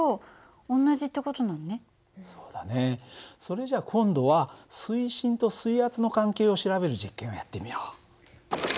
それじゃ今度は水深と水圧の関係を調べる実験をやってみよう。